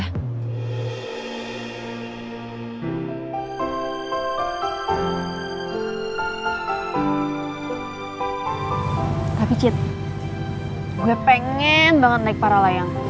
tapi cid gue pengen banget naik para layang